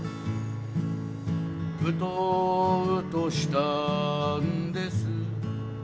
「うとうとしたんです」